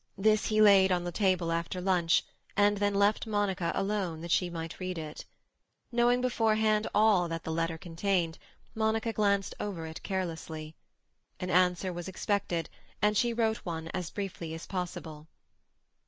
This he laid on the table after lunch, and then left Monica alone that she might read it. Knowing beforehand all that the letter contained, Monica glanced over it carelessly. An answer was expected, and she wrote one as briefly as possible.